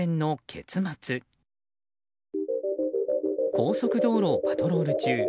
高速道路をパトロール中